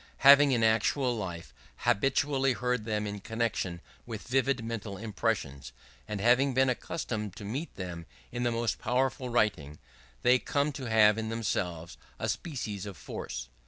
Having, in actual life, habitually heard them in connection with vivid mental impressions, and having been accustomed to meet with them in the most powerful writing, they come to have in themselves a species of force.